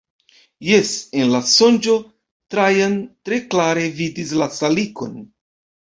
Jes, en la sonĝo, Trajan tre klare vidis la salikon.